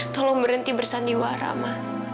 tolong berhenti bersandiwara ma